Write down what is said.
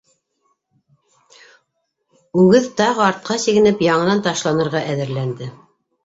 Үгеҙ, тағы артҡа сигенеп, яңынан ташланырға әҙерләнде.